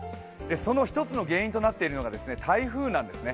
その一つの原因となっているのが台風なんですね。